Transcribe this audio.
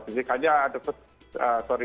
tidak ada bentrokan fisik